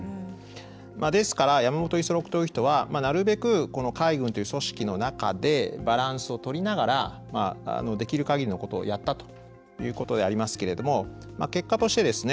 ですから山本五十六という人はなるべく海軍という組織の中でバランスをとりながらできるかぎりのことをやったということでありますけれども結果としてですね